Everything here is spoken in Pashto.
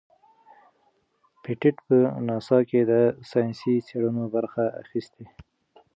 پېټټ په ناسا کې د ساینسي څیړنو برخه اخیستې.